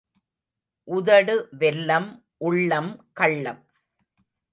உதடு வெல்லம் உள்ளம் கள்ளம்.